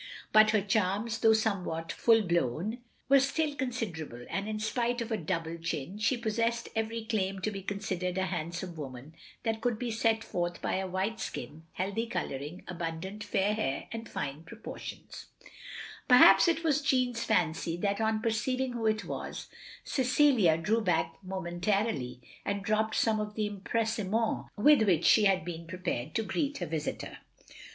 But her charms, though somewhat full blown, were still considerable; and in spite of a double chin, she possessed every claim to be considered a handsome woman that could be set forth by a white skin, healthy colouring, abtmdant, fait hair, and fine proportions. OP GROSVENOR SQUARE 165 Perhaps it was Jeanne's fancy, that on per ceiving who it was, Cecilia drew back momen tarily, and dropped some of the empressement with which she had been prepared to greet her visitor.